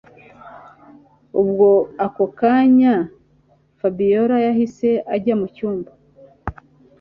Ubwo ako kanya Fabiora yahise ajya mucyumba